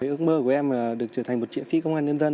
ước mơ của em là được trở thành một chiến sĩ công an nhân dân